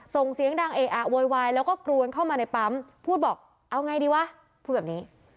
ส่งเสียงดังเออะโวยวายแล้วก็กรวนเข้ามาในปั๊มพูดบอกเอาไงดีวะพูดแบบนี้